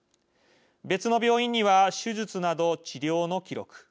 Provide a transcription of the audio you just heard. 別の病院には手術など治療の記録。